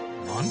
何？